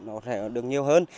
nó sẽ được nhiều hơn